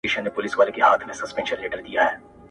راځه چې تخم یوسو د بورې تر زړې مېنې